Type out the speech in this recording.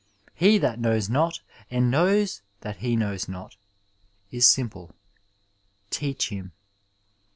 He that knows not, and knows that he knows not, is simple. Teach him."